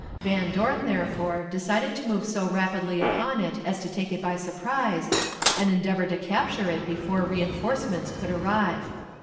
Van Dorn, therefore, decided to move so rapidly upon it as to take it by surprise, and endeavor to capture it before reënforcements could arrive.